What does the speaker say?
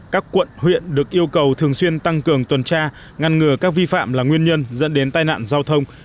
các quận huyện được yêu cầu thường xuyên tăng cường tuần tra ngăn ngừa các vi phạm là nguyên nhân dẫn đến tai nạn giao thông